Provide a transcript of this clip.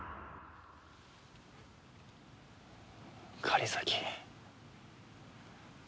狩崎。